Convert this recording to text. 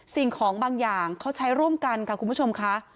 สิ่งของบางอย่างเขาใช้ร่วมกันค่ะคุณผู้ชมค่ะ